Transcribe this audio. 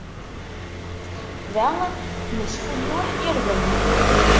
Da, nesfulluḥ irden.